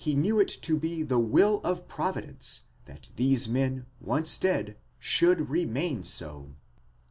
[5 it said, he knew it to be the will of Providence that these men, once dead, should remain so?